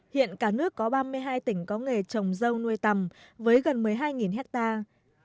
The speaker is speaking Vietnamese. hiện cả nước có ba mươi hai tỉnh có nghề trồng dâu nuôi tầm với gần một mươi hai hectare